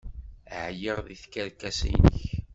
Ɛyiɣ seg tkerkas-nnek!